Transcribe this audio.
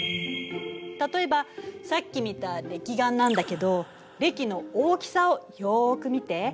例えばさっき見たれき岩なんだけどれきの大きさをよく見て。